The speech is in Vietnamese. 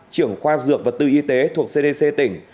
trưởng khoa dược vật tư y tế thuộc cdc tỉnh